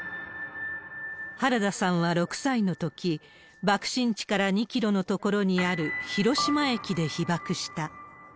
原田さんは６歳のとき、爆心地から２キロの所にある広島駅で被爆した。